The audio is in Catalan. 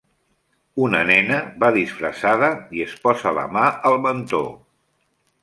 Una nena va disfressada i es posa la mà al mentó.